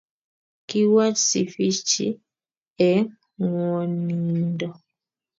Kiwach Sifichi eng ngwonindo